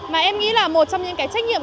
mà em nghĩ là một trong những cái trách nhiệm